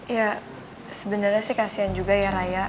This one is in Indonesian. ya sebenernya sih kasihan juga ya raya